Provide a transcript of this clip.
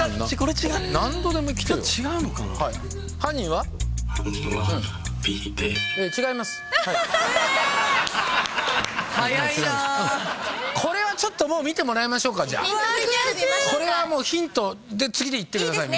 はやいなこれはちょっともう見てもらいましょうかじゃあヒントＶＴＲ見ましょうこれはもうヒントで次でいってください